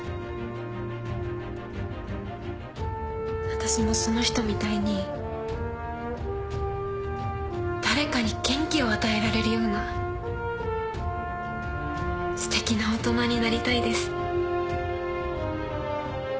私もその人みたいに誰かに元気を与えられるようなすてきな大人になりたいです。